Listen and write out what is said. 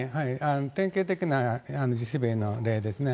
典型的な地滑りの例ですね。